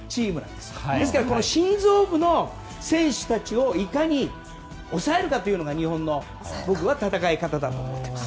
ですから、心臓部の選手たちをいかに抑えるかというのが日本の戦い方だと思っています。